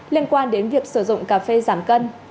liên quan đến việc sử dụng cà phê giảm cân